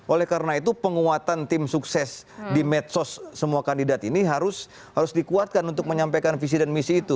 oleh karena itu penguatan tim sukses di medsos semua kandidat ini harus dikuatkan untuk menyampaikan visi dan misi itu